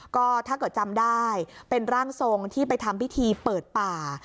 ก็ถ้าเกิดจำได้เป็นร่างทรงที่ไปทำพิธีเปิดป่า